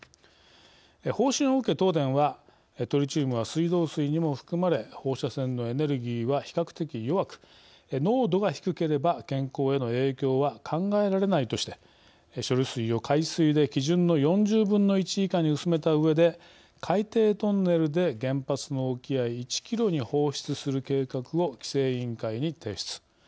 方針を受け東電はトリチウムは水道水にも含まれ放射線のエネルギーは比較的弱く濃度が低ければ健康への影響は考えられないとして処理水を海水で基準の４０分の１以下に薄めたうえで海底トンネルで原発の沖合１キロに放出する計画を規制委員会に提出。